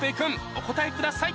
お答えください